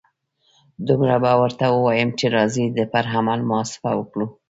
دومره به ورته ووایم چې راځئ پر عمل محاسبه وکړو.